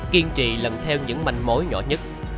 kiên trị lần theo những manh mối nhỏ nhất